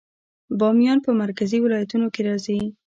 بامیان په مرکزي ولایتونو کې راځي